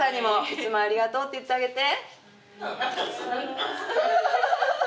いつもありがとうって言ってあげて。